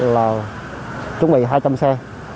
là chuẩn bị hai trăm linh xe